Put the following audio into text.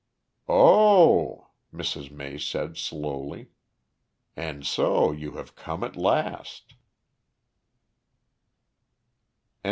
"Oh!" Mrs. May said slowly; "and so you have come at last."